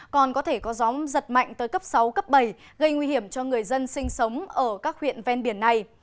còn có thể có gió giật mạnh tới cấp sáu cấp bảy gây nguy hiểm cho người dân sinh sống ở các huyện ven biển này